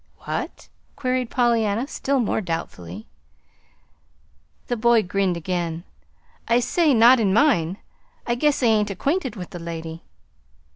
"Wha at?" queried Pollyanna, still more doubtfully. The boy grinned again. "I say not in mine. I guess I ain't acquainted with the lady."